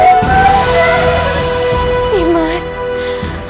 jangan bergantung mulai